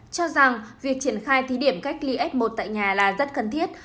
cho rằng việc triển khai thí điểm cách ly f một tại nhà là rất cần thiết